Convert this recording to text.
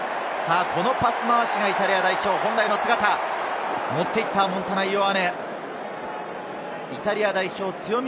このパス回しがイタリア代表本来の姿。持っていった、モンタナ・イオアネ。